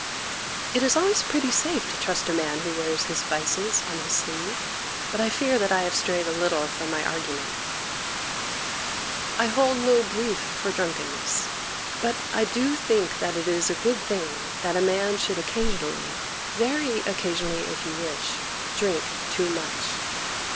It is always pretty safe to trust a man who wears his vices on his sleeve. But I fear that I have strayed a little from my argument. I hold no brief for THE VIRTUES OF GETTING DRUNK 175 drunkenness, but I do think that it is a good thing that a man should occasionally, very occasionally if you wish, drink too much.